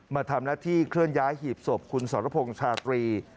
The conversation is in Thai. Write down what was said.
มาทำหน้าที่เคลื่อนย้ายหีบศพคุณสรพงษ์ชาตรี